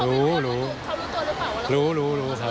แล้วก็ตอนนั้นลุงบอกว่าเขารู้ตัวหรือเปล่า